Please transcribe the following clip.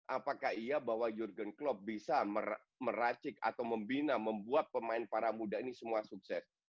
apakah iya bahwa jurgen klop bisa meracik atau membina membuat pemain para muda ini semua sukses